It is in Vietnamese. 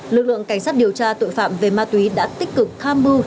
lực lượng cảnh sát điều tra tội phạm về ma túy đã tích cực tham mưu